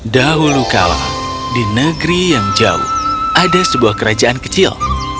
dahulu kala di negeri yang jauh ada sebuah kerajaan kecil